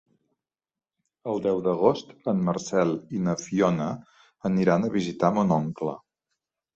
El deu d'agost en Marcel i na Fiona aniran a visitar mon oncle.